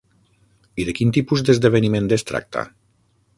I de quin tipus d'esdeveniment es tracta?